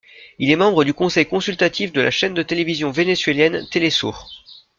Il est membre du Conseil consultatif de la chaîne de télévision vénézuélienne Tele Sur.